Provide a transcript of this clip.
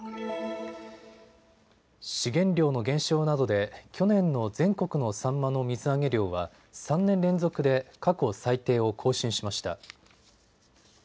資源量の減少などで去年の全国のサンマの水揚げ量は３年連続で過去最低を更新しました。